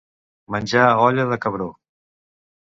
Menjar olla de cabró.